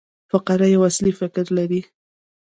فقره یو اصلي فکر لري.